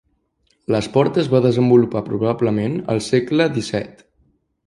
L'esport es va desenvolupar probablement al segle XVII.